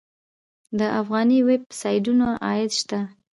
د افغاني ویب سایټونو عاید شته؟